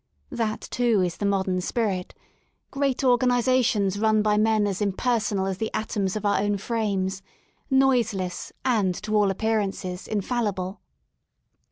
That, too, is the Modern Spirit : great organ isations run by men as impersonal as the atoms of our own frames, noiseless, and to all appearances infallible.